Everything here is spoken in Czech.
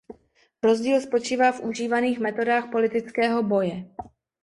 Rozdíl spočívá v užívaných metodách politického boje.